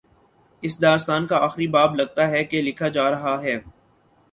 اس داستان کا آخری باب، لگتا ہے کہ لکھا جا رہا ہے۔